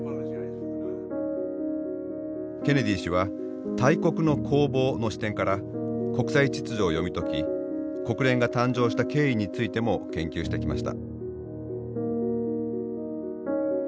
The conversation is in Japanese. ケネディ氏は「大国の興亡」の視点から国際秩序を読み解き国連が誕生した経緯についても研究してきました。